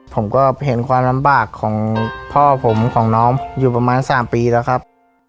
ผมก็เห็นความลำบากของพ่อผมของน้องอยู่ประมาณ๓ปีแล้วครับ